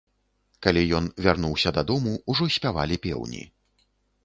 Калі ён вярнуўся дадому, ужо спявалі пеўні.